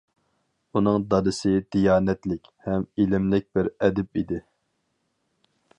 ئۇنىڭ دادىسى دىيانەتلىك ھەم ئىلىملىك بىر ئەدىب ئىدى.